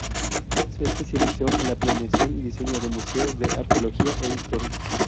Se especializó en la planeación y diseño de museos de arqueología e historia.